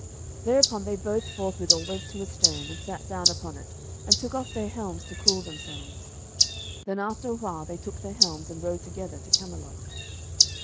Thereupon they both forthwithal went to a stone, and sat down upon it, and took off their helms to cool themselves. Then after a while they took their helms and rode together to Camelot.